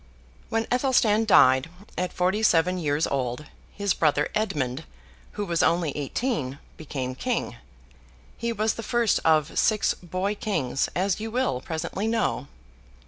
When Athelstan died, at forty seven years old, his brother Edmund, who was only eighteen, became king. He was the first of six boy kings, as you will presently know.